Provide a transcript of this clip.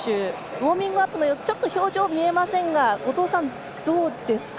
ウォーミングアップの様子表情は見えませんが後藤さん、どうですか？